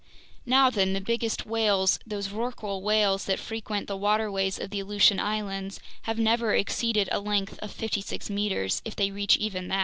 Now then, the biggest whales, those rorqual whales that frequent the waterways of the Aleutian Islands, have never exceeded a length of 56 meters—if they reach even that.